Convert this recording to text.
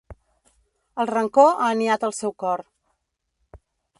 El rancor ha niat al seu cor.